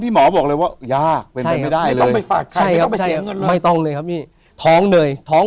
หมอบอกเลยว่ายากเป็นไปไม่ได้เลยไม่ต้องเลยครับพี่ท้องเลยท้อง